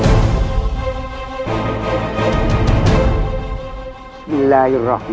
alhamdulillah alahumma whalaer